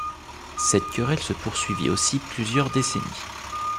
Cette querelle se poursuivit aussi plusieurs décennies.